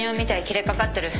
切れかかってる。